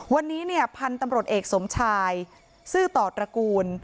พานทำร่วดเอกสมชายซื้อต่อตระกูล